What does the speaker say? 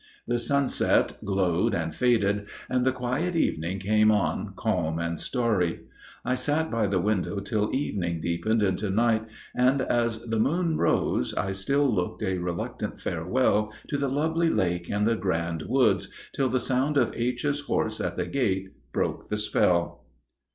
The sunset glowed and faded, and the quiet evening came on calm and starry. I sat by the window till evening deepened into night, and as the moon rose I still looked a reluctant farewell to the lovely lake and the grand woods, till the sound of H.'s horse at the gate broke the spell.